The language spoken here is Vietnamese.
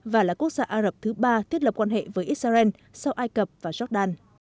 và là quốc gia ả rập thứ ba thiết lập quan hệ với israel sau ai cập và jordan